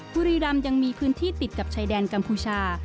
บุรีรำยังมีพื้นที่ติดกับชายแดนกัมพูชา